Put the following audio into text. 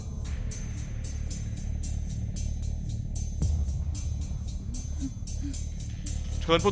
ซุปไก่เมื่อผ่านการต้มก็จะเข้มขึ้น